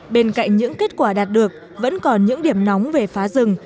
bên cạnh những kết quả đạt được vẫn còn những điểm nóng về phá rừng